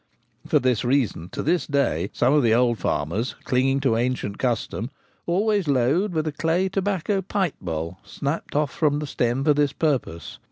For this reason to this day some of the old farmers, cling ing to ancient custom, always load with a clay tobacco pipe bowl, snapped off from the stem for the purpose.